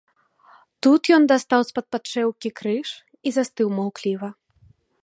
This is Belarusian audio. Тут ён дастаў з-пад падшэўкі крыж і застыў маўкліва.